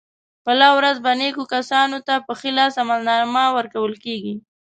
په لو ورځ به نېکو کسانو ته په ښي لاس عملنامه ورکول کېږي.